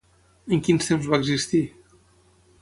En quins temps va existir?